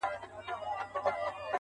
څڼور بیا سر پر زنگونو دی